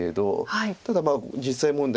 ただ実際問題